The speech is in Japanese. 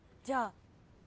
じゃあＡ